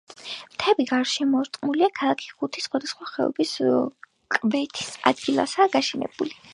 მთებით გარსშემორტყმული ქალაქი ხუთი სხვადასხვა ხეობის კვეთის ადგილასაა გაშენებული.